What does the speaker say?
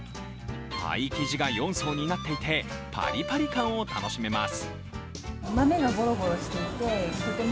パイ生地が４層になっていて、パリパリ感を楽しめます。